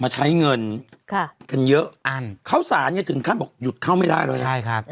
จึงแค่บอกหยุดเข้าไม่ได้เลย